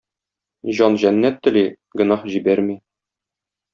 Җан җәннәт тели - гөнаһ җибәрми.